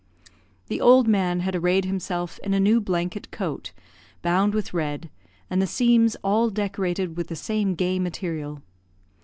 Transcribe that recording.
The old man had arrayed himself in a new blanket coat, bound with red, and the seams all decorated with the same gay material.